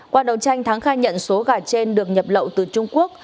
qua đầu tranh thắng khai nhận số gà trên được nhập lậu từ trung quốc